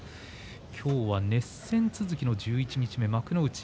今日は熱戦続きの十一日目、幕内。